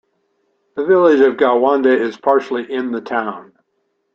The village of Gowanda is partially in the town.